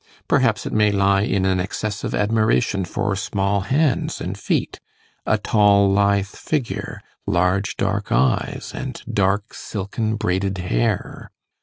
Perhaps it may lie in an excessive admiration for small hands and feet, a tall lithe figure, large dark eyes, and dark silken braided hair.